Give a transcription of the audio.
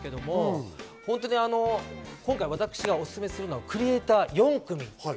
今回、私がおすすめするのはクリエイター４組。